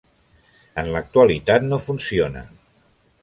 En l'actualitat no funciona.